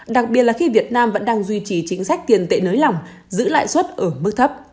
đặc biệt là khi việt nam vẫn đang duy trì chính sách tiền tệ nới lỏng giữ lại suất ở mức thấp